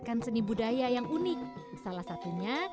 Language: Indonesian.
kebetulan jasa ini menjejakerry